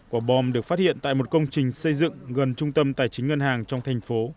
quả bom được phát hiện tại một công trình xây dựng gần trung tâm tài chính ngân hàng trong thành phố